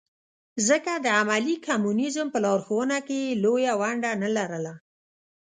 ځکه د عملي کمونیزم په لارښوونه کې یې لویه ونډه نه لرله.